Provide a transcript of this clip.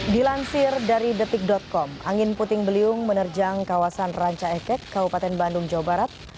dilansir dari detik com angin puting beliung menerjang kawasan ranca ekek kabupaten bandung jawa barat